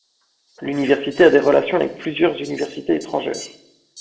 L'université a des relations avec plusieurs universités étrangères.